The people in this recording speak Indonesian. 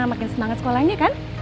makin semangat sekolahnya kan